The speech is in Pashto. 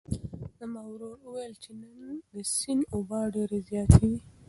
زما ورور وویل چې نن د سیند اوبه ډېرې زیاتې دي.